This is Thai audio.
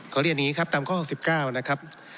เรียนอย่างนี้ครับตามข้อ๖๙นะครับ